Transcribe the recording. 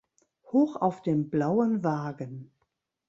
Hoch auf dem blauen Wagen.